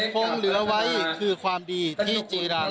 คงเหลือไว้คือความดีที่จีรัง